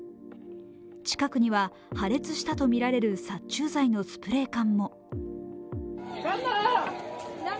近くには破裂したとみられる殺虫剤のスプレー剤も。